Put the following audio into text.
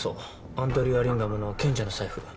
アンドリュー・アリンガムの「賢者の財布」。